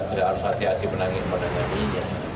tentu kita harus hati hati menangin pendekatinya